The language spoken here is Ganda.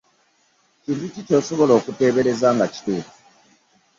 Kintu ki ky'osobola okutebereza nga kituufu?